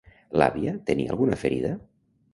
L'àvia tenia alguna ferida?